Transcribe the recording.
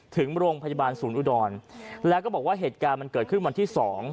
ถึงโรงพยาบาลศูนย์อุดรแล้วก็บอกว่าเหตุการณ์มันเกิดขึ้นวันที่สอง